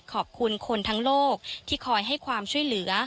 ขอบคุณคนทั้งโลกที่คอยให้ความช่วยเหลือ